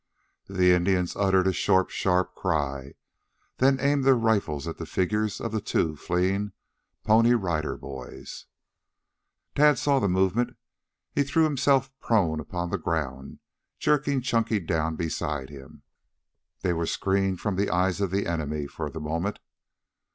The Indians uttered a short, sharp cry, then aimed their rifles at the figures of the two fleeing Pony Rider Boys. Tad saw the movement. He threw himself prone upon the ground, jerking Chunky down beside him. They were screened from the eyes of the enemy, for the moment.